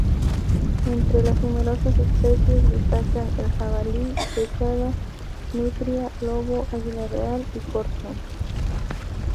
Entre las numerosas especies, destacan el jabalí, becada, nutria, lobo, águila real y corzo.